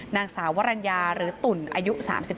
นางสาววรรณญาหรือตุ่นอายุ๓๓